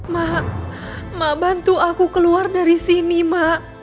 mak mak bantu aku keluar dari sini mak